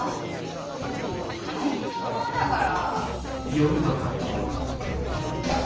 もう大変なんだから。